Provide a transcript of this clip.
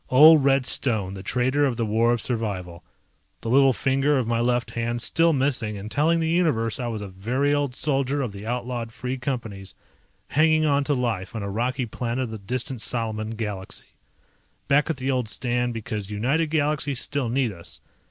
Old Red Stone, the Traitor of the War of Survival, the little finger of my left hand still missing and telling the Universe I was a very old soldier of the outlawed Free Companies hanging onto life on a rocky planet of the distant Salaman galaxy. Back at the old stand because United Galaxies still need us.